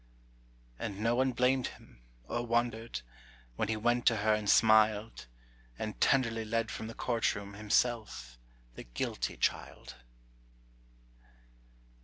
And no one blamed him, or wondered, When he went to her and smiled, And tenderly led from the court room, Himself, the "guilty" child.